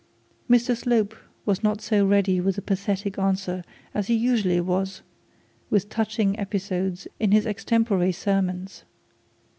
Mr Slope was not so ready with a pathetic answer as he usually was with touching episodes in his extempore sermons.